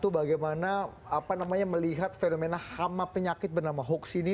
bagaimana melihat fenomena hama penyakit bernama hoax ini